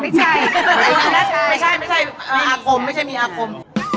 ไม่ใช่ไม่ใช่ไม่ใช่ไม่ใช่อาคมไม่ใช่มีอาคม